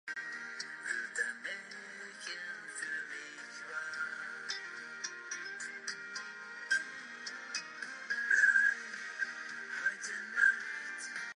Vassey is married to David Emmerichs, a camera operator.